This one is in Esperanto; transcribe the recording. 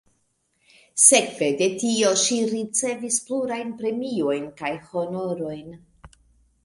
Sekve de tio ŝi ricevis plurajn premiojn kaj honorojn.